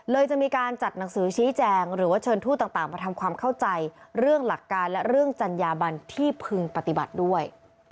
จะมีการจัดหนังสือชี้แจงหรือว่าเชิญทูตต่างมาทำความเข้าใจเรื่องหลักการและเรื่องจัญญาบันที่พึงปฏิบัติด้วย